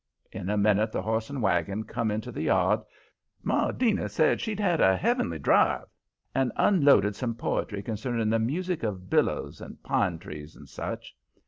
In a minute the horse and wagon come into the yard. Maudina said she'd had a "heavenly" drive, and unloaded some poetry concerning the music of billows and pine trees, and such.